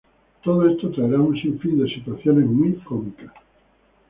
Todo esto traerá un sin fín de situaciones muy cómicas.